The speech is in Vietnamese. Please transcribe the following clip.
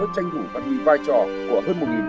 tranh thủ văn minh vai trò của hơn